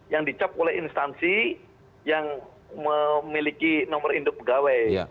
yang dicap oleh instansi yang memiliki nomor induk pegawai